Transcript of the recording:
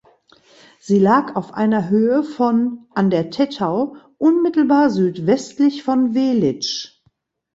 Sie lag auf einer Höhe von an der Tettau unmittelbar südwestlich von Welitsch.